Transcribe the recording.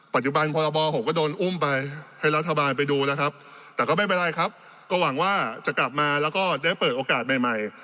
พรบผมก็โดนอุ้มไปให้รัฐบาลไปดูแล้วครับแต่ก็ไม่เป็นไรครับก็หวังว่าจะกลับมาแล้วก็ได้เปิดโอกาสใหม่ใหม่